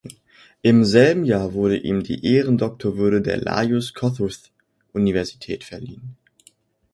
Im selben Jahr wurde ihm die Ehrendoktorwürde der Lajos-Kossuth-Universität verliehen.